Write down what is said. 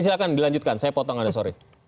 silahkan dilanjutkan saya potong aja sorry